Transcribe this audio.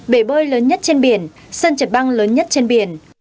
bể bơi lớn nhất trên biển sân chệt băng lớn nhất trên biển